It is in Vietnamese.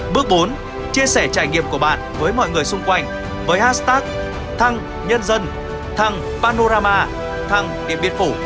bước bốn chia sẻ trải nghiệm của bạn với mọi người xung quanh với hashtag thăng nhân dân thăng panorama thăng điện biên phủ